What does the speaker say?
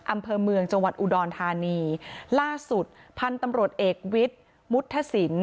อำเภอเมืองจังหวัดอุดรธานีล่าสุดพันธุ์ตำรวจเอกวิทย์มุฒิสิน